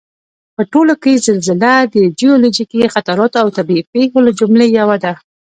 په ټوله کې زلزله د جیولوجیکي خطراتو او طبعي پېښو له جملې یوه ده